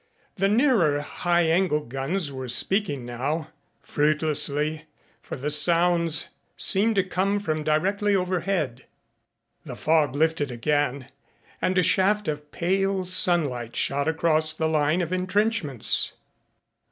The nearer high angle guns were speaking now fruitlessly, for the sounds seemed to come from directly overhead. The fog lifted again and a shaft of pale sunlight shot across the line of entrenchments.